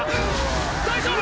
大丈夫？